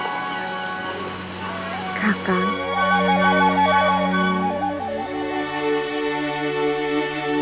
aku akan selalu menjagamu